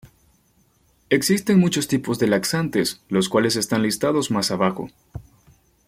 Existen muchos tipos de laxantes, los cuales están listados más abajo.